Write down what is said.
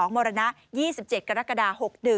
๒๕๒๒มยี่สิบเจ็ดกรกฎา๖๑